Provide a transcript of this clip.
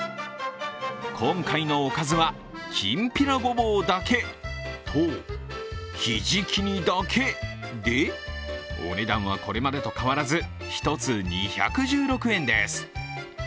今回のおかずは、きんぴらごぼうだけと、ひじき煮だけでお値段はこれまでと変わらず１つ２１６円です。